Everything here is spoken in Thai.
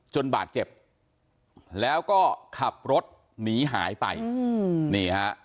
บาดเจ็บแล้วก็ขับรถหนีหายไปอืมนี่ฮะ